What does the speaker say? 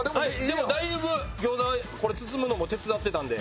でもだいぶ餃子は包むのも手伝ってたんで。